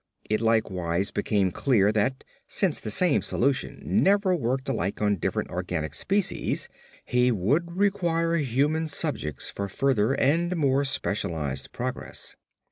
It likewise became clear that, since the same solution never worked alike on different organic species, he would require human subjects for further and more specialised progress.